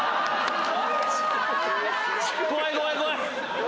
怖い怖い怖い！